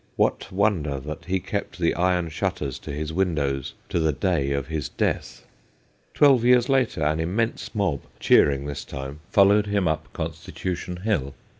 What wonder that he kept the iron shutters to his windows to the day of his death ? Twelve years later an immense mob, cheering this time, followed him up Constitution Hill.